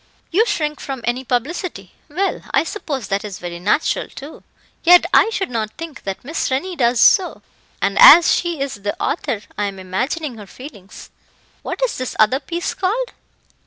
"You shrink from any publicity; well, I suppose that is very natural, too, yet I should not think that Miss Rennie does so; and as she is the author, I am imagining her feelings. What is this other piece called?